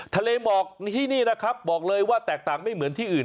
ทะเลหมอกที่นี่นะครับบอกเลยว่าแตกต่างไม่เหมือนที่อื่น